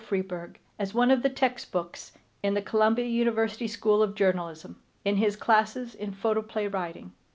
Freeburg as one of the text books in the Columbia University School of Journalism, in his classes in photoplay writing.